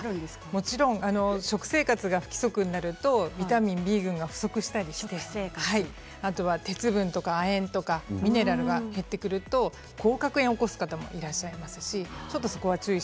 もちろん食生活が不規則になるとビタミンＢ群が不足してあとは鉄分や亜鉛などミネラルが減ってくると口角炎を起こす方もいらっしゃいます。